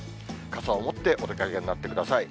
傘を持ってお出かけになってください。